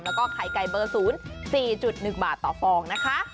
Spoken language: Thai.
แล้วก็ไข่ไก่เบอร์๐๔๑บาทต่อฟองนะคะ